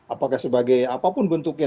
apakah sebagai apapun bentuknya